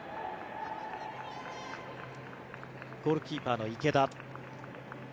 ゴールキーパーの池田。